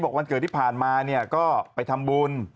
วันเกิดที่ผ่านมาเนี่ยก็ไปทำบุญ